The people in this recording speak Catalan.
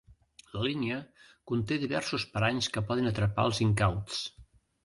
La línia conté diversos paranys que poden atrapar els incauts.